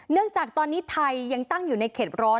เนื่องจากตอนนี้ไทยยังตั้งอยู่ในเข็ดร้อน